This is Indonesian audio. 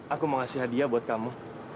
aku mau ngasih hadiah buat kamu